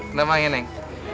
udah main neng